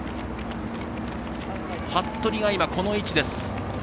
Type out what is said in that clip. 服部がこの位置です。